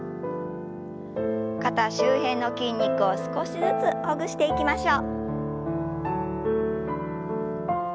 肩周辺の筋肉を少しずつほぐしていきましょう。